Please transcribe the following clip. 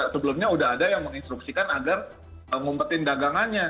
sebelumnya udah ada yang menginstruksikan agar umpetin dagangannya